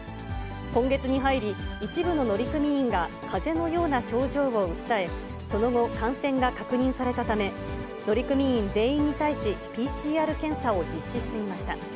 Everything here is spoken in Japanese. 今月に入り、一部の乗組員がかぜのような症状を訴え、その後、感染が確認されたため、乗組員全員に対しＰＣＲ検査を実施していました。